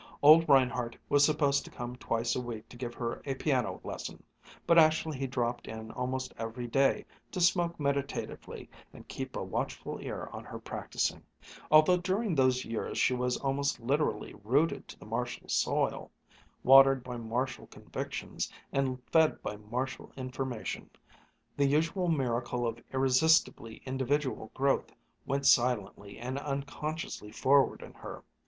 Old Reinhardt was supposed to come twice a week to give her a piano lesson, but actually he dropped in almost every day to smoke meditatively and keep a watchful ear on her practising. Although during those years she was almost literally rooted to the Marshall soil, watered by Marshall convictions, and fed by Marshall information, the usual miracle of irresistibly individual growth went silently and unconsciously forward in her.